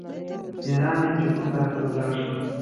حیران یم چې کوم طرف ته ولاړ شم.